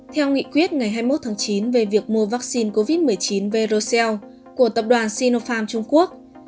theo nghị quyết ngày hai mươi một tháng chín về việc mua vaccine covid một mươi chín verocel của tập đoàn sinopharm trung quốc